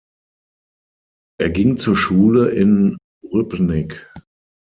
Er ging zur Schule in Rybnik.